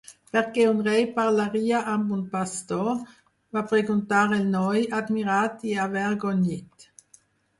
"Per què un rei parlaria amb un pastor"?, va preguntar el noi, admirat i avergonyit.